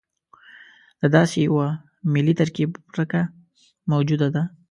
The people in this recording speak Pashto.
د داسې یوه ملي ترکیب ورکه موجوده ده.